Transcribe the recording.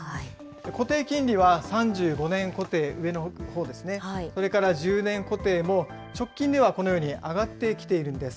固定金利は３５年固定、上のほうですね、それから１０年固定も直近ではこのように上がってきているんです。